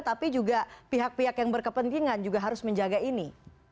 tapi juga pihak pihak yang berkepentingan juga harus menjaga ini